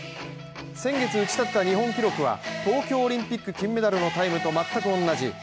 先月、打ち立てた日本記録は東京オリンピックの金メダルと全く同じ。